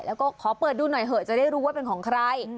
แล้วก็ขอเปิดดูหน่อยเถอะจะได้รู้ว่าเป็นของใคร